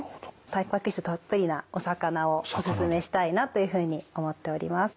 たんぱく質たっぷりなお魚をおすすめしたいなというふうに思っております。